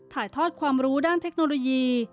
ถ่ายทอดความรู้ด้านเทคโนโลยี